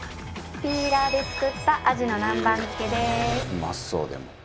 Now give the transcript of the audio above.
ピーラーで作ったアジの南蛮漬けです。